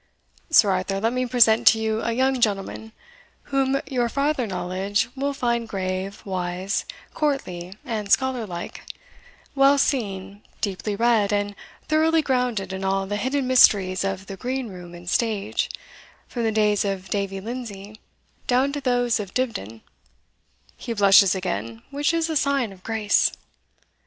Sir Arthur, let me present to you a young gentleman, whom your farther knowledge will find grave, wise, courtly, and scholar like, well seen, deeply read, and thoroughly grounded in all the hidden mysteries of the green room and stage, from the days of Davie Lindsay down to those of Dibdin he blushes again, which is a sign of grace."